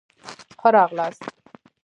ښه را غلاست